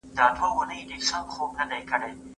فکر د زده کوونکي له خوا کيږي؟